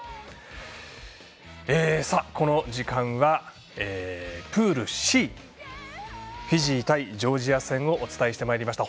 この時間は、プールＣフィジー対ジョージア戦をお伝えしてまいりました。